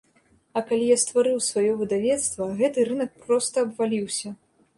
А калі я стварыў сваё выдавецтва, гэты рынак проста абваліўся.